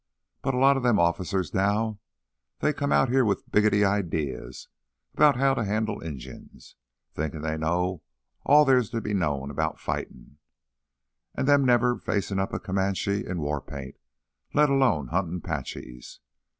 But a lot o' them officers now—they come out here wi' biggety idears 'bout how t' handle Injuns, thinkin' they knows all thar's t' be knowed 'bout fightin'—an' them never facin' up to a Comanche in war paint, let alone huntin' 'Paches.